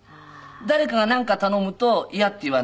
誰かがなんか頼むと嫌って言わないんですね。